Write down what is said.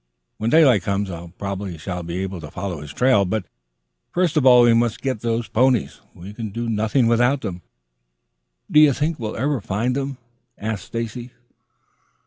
When daylight comes, I probably shall be able to follow his trail. But first of all we must get the ponies. We can do nothing without them." "Do you think we ever shall find them?" asked Stacy.